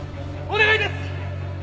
お願いです！